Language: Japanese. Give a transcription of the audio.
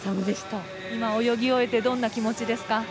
今、泳ぎ終えてどんな気持ちですか。